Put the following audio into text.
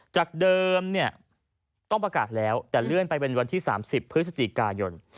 จากเดิมเนี่ยต้องประกาศแล้วแต่เลื่อนไปเป็นวันที่๓๐พฤศจิกายน